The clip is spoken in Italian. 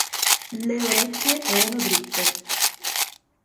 Le orecchie erano dritte.